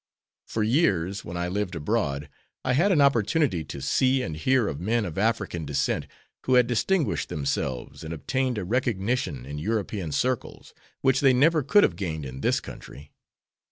For years, when I lived abroad, I had an opportunity to see and hear of men of African descent who had distinguished themselves and obtained a recognition in European circles, which they never could have gained in this country.